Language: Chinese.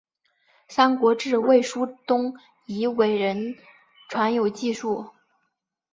三国志魏书东夷倭人传有记述。